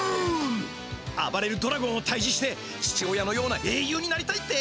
あばれるドラゴンをたいじして父親のようなえいゆうになりたいって？